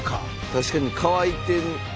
確かに乾いてるもんね